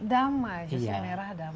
damai susun merah damai